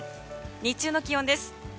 日中の気温です。